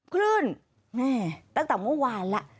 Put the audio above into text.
คลื่นตั้งแต่เมื่อวานล่ะ